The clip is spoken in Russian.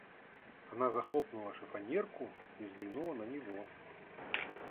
Она захлопнула шифоньерку и взглянула на него.